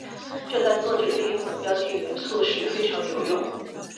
这在作者利用了标记元素时非常有用。